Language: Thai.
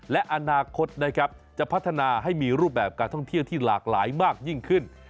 และอนาคตนะครับจะพัฒนาให้มีรูปแบบการท่องเที่ยวที่หลากหลายมากยิ่งขึ้น